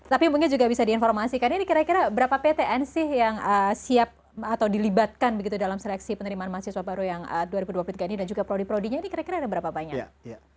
tapi mungkin juga bisa diinformasikan ini kira kira berapa ptn sih yang siap atau dilibatkan begitu dalam seleksi penerimaan mahasiswa baru yang dua ribu dua puluh tiga ini dan juga prodi prodinya ini kira kira ada berapa banyak